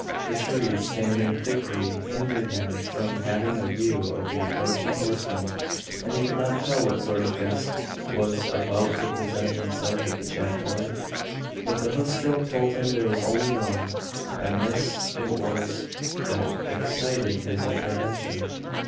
The trees, standing thickly, hindered him from having a view of the approaching horseman; and he could not tell what sort of guest was about to present himself at the jacale. But the hoofstroke told him there was only one; and this it was that excited his apprehension.